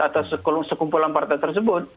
atau sekumpulan partai tersebut